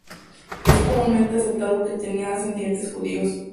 Es comúnmente aceptado que tenía ascendientes judíos.